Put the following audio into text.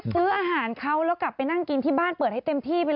ซื้ออาหารเขาแล้วกลับไปนั่งกินที่บ้านเปิดให้เต็มที่ไป